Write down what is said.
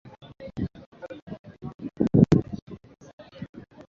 huku mawaziri wanne wakiwa chini ya ulinzi faruk hosni